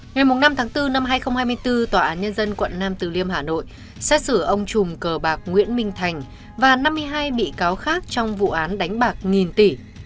ngày năm tháng bốn năm hai nghìn hai mươi bốn tòa án nhân dân quận nam từ liêm hà nội xét xử ông chùm cờ bạc nguyễn minh thành và năm mươi hai bị cáo khác trong vụ án đánh bạc nghìn tỷ